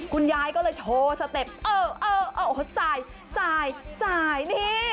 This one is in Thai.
คุณยายก็เลยโชว์สเต็ปเออสายนี่